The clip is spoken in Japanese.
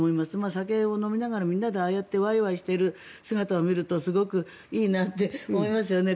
酒を飲みながらみんなでああやってワイワイしてる姿を見るとすごくいいなって思いますよね。